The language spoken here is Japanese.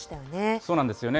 そうなんですよね。